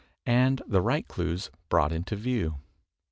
=99 and the right dues brought into view.